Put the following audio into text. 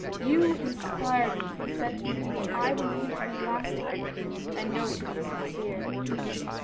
You inspired me with sentiments which I believe to be last ing, and know to be sincere.